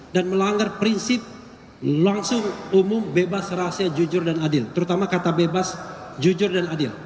dan melanggar prinsip langsung umum bebas rahasia jujur dan adil terutama kata bebas jujur dan adil